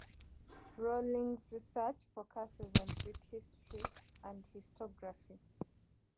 Rawlings' research focuses on Greek history and historiography.